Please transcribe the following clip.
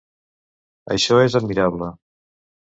Això és admirable